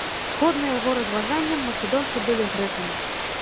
Згодна яго разважанням, македонцы былі грэкамі.